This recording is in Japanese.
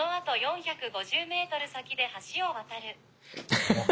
ハハハハ。